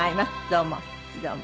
どうも。